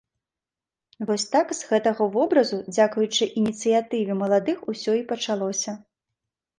Вось так з гэтага вобразу дзякуючы ініцыятыве маладых усё і пачалося.